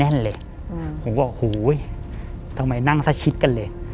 แน่นเลยอืมผมก็ว่าหูยทำไมนั่งซะชิดกันเลย